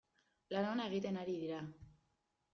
Lan ona egiten ari dira.